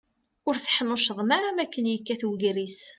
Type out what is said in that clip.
Ur teḥnuccḍem ara makken yekkat ugris.